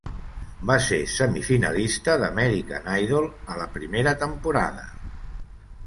Va ser semifinalista d'American Idol a la primera temporada.